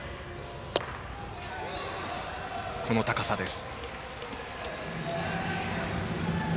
この高さです。